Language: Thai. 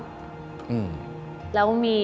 แล้วมีช่องทางที่เราสามารถเดินต่อไปได้